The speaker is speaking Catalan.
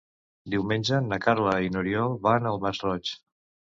Diumenge na Carla i n'Oriol van al Masroig.